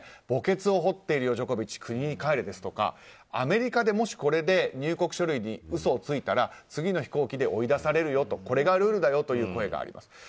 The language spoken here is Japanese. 墓穴を掘っているよジョコビッチ、国に帰れですとかアメリカでもしこれで入国書類に嘘をついたら次の飛行機で追い出されるよとこれがルールだよという声があります。